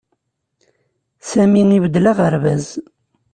Sami ibeddel aɣerbaz.